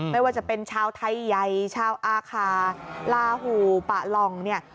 ไม่ว่าจะเป็นชาวไทยใหญ่ชาวอาคาลาหูปะล่องเนี่ย